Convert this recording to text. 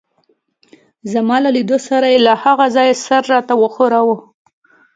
زما له لیدو سره يې له هغه ځایه سر راته وښوراوه.